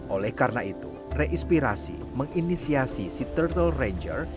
oleh karena itu re inspirasi menginisiasi si turtle ranger